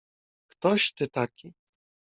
"Ktoś ty taki?"